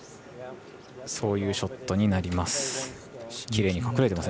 そういうショットになります。